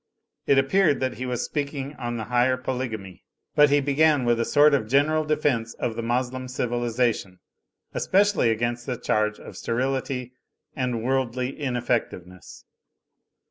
It ap peared that he was speaking on the higher Polygamy; but he began with a sort of general defence of the Moslem civilisation, especially against the charge of sterility and worldly ineffectiveness.